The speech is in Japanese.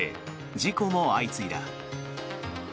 事故も相次いだ。